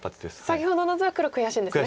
先ほどの図は黒悔しいんですね。